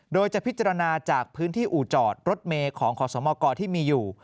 โดยจะพิจารณาจากพื้นที่อู่จอดรถเมย์ของขอสมกที่มีอยู่